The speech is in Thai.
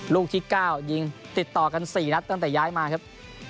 ลูกที่๙ยิงติดต่อกัน๔นัดตั้งแต่ย้ายมาครับ